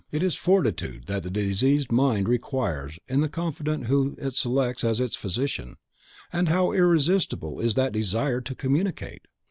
It is fortitude that the diseased mind requires in the confidant whom it selects as its physician. And how irresistible is that desire to communicate!